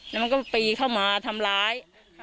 แล้วมันก็ปีเข้ามาทำร้าย